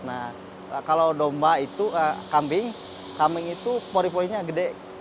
nah kalau domba itu kambing kambing itu pori porinya gede